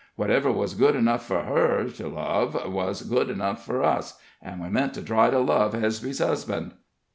Whatever was good enough for her to love was good enough for us, and we meant to try to love Hesby's husband."